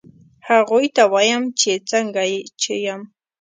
هغوی ته وایم چې څنګه چې یم